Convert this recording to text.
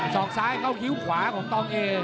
อกซ้ายเข้าคิ้วขวาของตองเอว